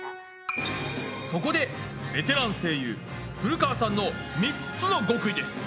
そこでベテラン声優古川さんの３つの極意です。